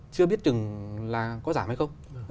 chưa biết chừng là có giảm hay không